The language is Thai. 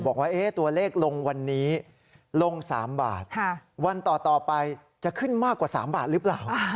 บอกว่าตัวเลขลงวันนี้ลง๓บาทวันต่อไปจะขึ้นมากกว่า๓บาทหรือเปล่า